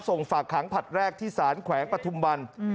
ส่งฝากขังผลัดแรกที่สารแขวงปฐุมวัน